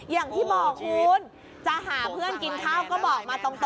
อย่างที่บอกคุณจะหาเพื่อนกินข้าวก็บอกมาตรง